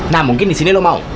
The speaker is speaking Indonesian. nah mungkin di sini lo mau